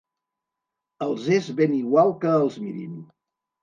Els és ben igual que els mirin.